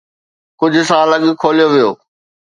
ڪجھ سال اڳ کوليو ويو